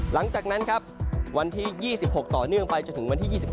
หลังจากนั้นครับวันที่๒๖ต่อเนื่องไปจนถึงวันที่๒๙